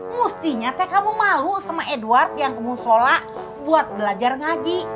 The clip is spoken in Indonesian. mestinya kamu malu sama edward yang kamu sholat buat belajar ngaji